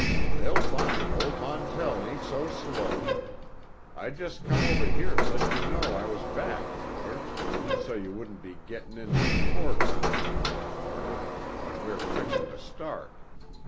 They'll find old Montell ain't so slow. I just come over here to let you know I was back, George, so's you wouldn't be gettin' into the foreground to morrow mornin' when we're fixin' to start.